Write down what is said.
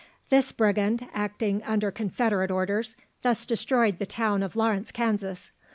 This brigand, acting under Confederate orders, thus destroyed the town of Lawrence, Kansas.